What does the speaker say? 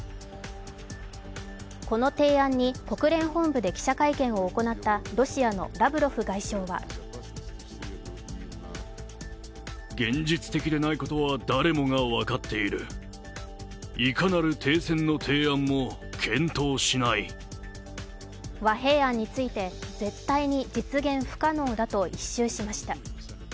この提案に国連本部で記者会見を行ったロシアのラブロフ外相は和平案について、絶対に実現不可能だと一蹴しました。